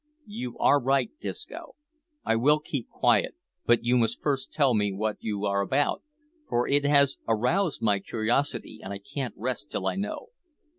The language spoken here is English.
"You are right Disco. I will keep quiet, but you must first tell me what you are about, for it has roused my curiosity, and I can't rest till I know."